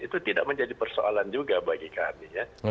itu tidak menjadi persoalan juga bagi kami ya